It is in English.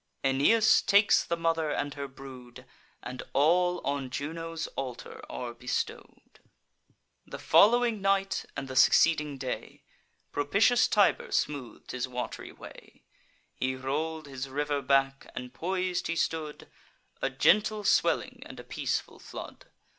Aeneas takes the mother and her brood, And all on Juno's altar are bestow'd. The foll'wing night, and the succeeding day, Propitious Tiber smooth'd his wat'ry way: He roll'd his river back, and pois'd he stood, A gentle swelling, and a peaceful flood.